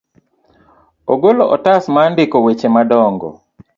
Ogolo otas mar ndiko weche madongo.